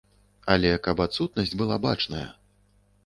Але каб адсутнасць была бачная.